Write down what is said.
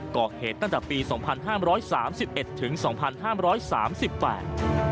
ก่อเหตุตั้งแต่ปีสองพันห้ามร้อยสามสิบเอ็ดถึงสองพันห้ามร้อยสามสิบแปด